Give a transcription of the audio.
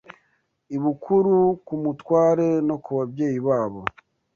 ibukuru ku mutware no ku babyeyi babo